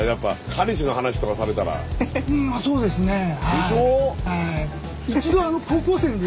でしょ？